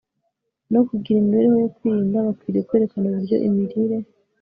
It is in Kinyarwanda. no kugira imibereho yo kwirinda. bakwiriye kwerekana uburyo imirire